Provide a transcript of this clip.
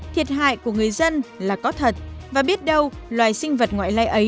thiệt hại của người dân là có thật và biết đâu loài sinh vật ngoại lai ấy